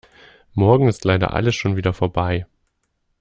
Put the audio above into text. Morgen ist leider alles schon wieder vorbei.